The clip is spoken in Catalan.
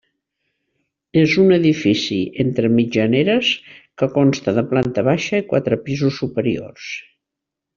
És un edifici entre mitjaneres que consta de planta baixa i quatre pisos superiors.